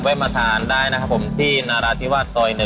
มาทานได้นะครับผมที่นาราธิวาสซอย๑